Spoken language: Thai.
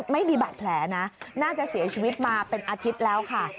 ไม่มีบาดแผลนะน่าจะเสียชีวิตมาเป็นอาทิตย์แล้วค่ะ